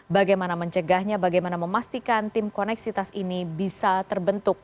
bagaimana mencegahnya bagaimana memastikan tim koneksitas ini bisa terbentuk